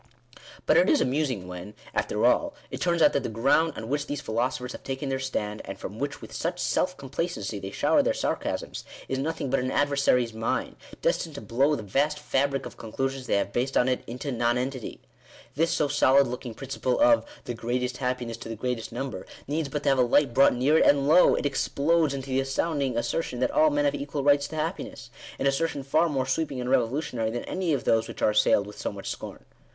But it is amusing when, after all, it turns out that the ground on which these philosophers have taken their stand, and from which with such self complacency they shower their sarcasms, is nothing but an adversary's mine, destined to blow the vast fabric of conclusions they have based on it into nonen tity. This so solid looking principle of "the greatest hap piness to the greatest number," needs but to have a light brought near it, and lo ! it explodes into the astounding as sertion, that all men have equal rights to happiness (p. 22) — an assertion far more sweeping and revolutionary than any of those which are assailed with so much scorn*.